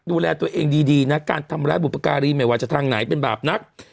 ดูแลตัวเองดีนะการทำร้ายบุปการีไม่ว่าจะทางไหนเป็นบาปนัก